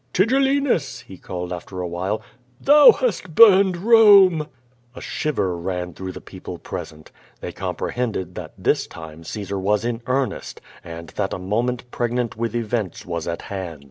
"Tigellinus," he called after a while, "thou hast burned Rome!" A shiver ran through the people present. They compre hended that this time Caesar was in earnest and that a mo ment pregnant with events was at hand.